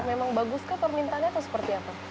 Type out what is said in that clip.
memang bagus ke permintanya atau seperti apa